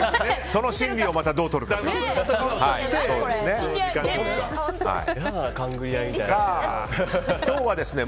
その心理をまたどうとるかですね。